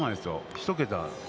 １桁。